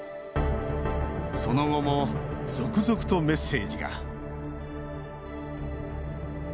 その後も続々とメッセージが。